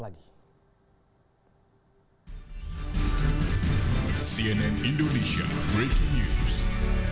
breaking news cnn indonesia akan kembali sesaat lagi